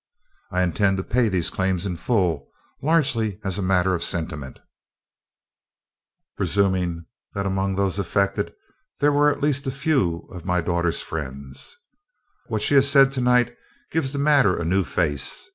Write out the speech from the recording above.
I had intended to pay these claims in full, largely as a matter of sentiment, presuming that among those affected there were at least a few of my daughter's friends. What she has said to night gives the matter a new face.